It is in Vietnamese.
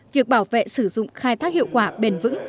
việc bảo vệ sử dụng khai thác hiệu quả bền vững